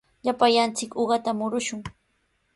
Llapallanchik uqata murumushun.